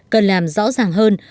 cần làm rõ ràng hơn